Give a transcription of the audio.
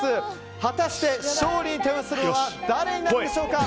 果たして、勝利を手にするのは誰になるんでしょうか。